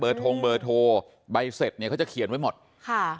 ทงเบอร์โทรใบเสร็จเนี่ยเขาจะเขียนไว้หมดค่ะ